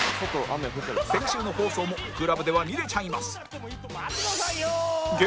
先週の放送も ＣＬＵＢ では見れちゃいます！